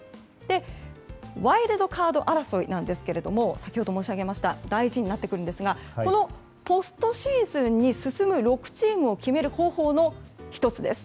ワイルドカード争いなんですが先ほど申し上げましたとおり大事になってくるんですがこのポストシーズンに進む６チームを決める方法の１つです。